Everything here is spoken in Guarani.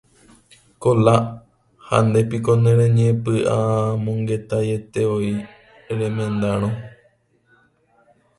Kola, ha ndépiko nereñepy'amongetaietevoi remendárõ.